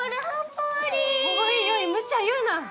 おいおいむちゃ言うな。